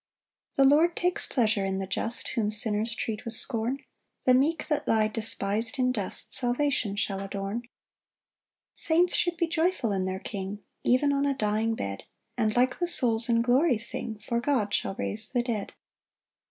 3 The Lord takes pleasure in the just, Whom sinners treat with scorn; The meek that lie despis'd in dust Salvation shall adorn. 4 Saints should be joyful in their King, Ev'n on a dying bed; And like the souls in glory sing, For God shall raise the dead.